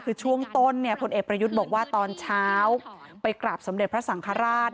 คือช่วงต้นเนี่ยพลเอกประยุทธ์บอกว่าตอนเช้าไปกราบสมเด็จพระสังฆราช